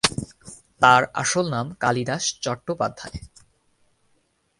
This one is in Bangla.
তাঁর আসল নাম কালিদাস চট্টোপাধ্যায়।